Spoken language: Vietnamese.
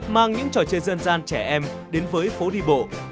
mang những trò chơi dân gian trẻ em đến với phố đi bộ